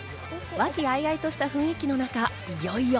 和気あいあいとした雰囲気の中、いよいよ。